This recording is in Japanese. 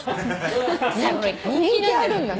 人気あるんだね。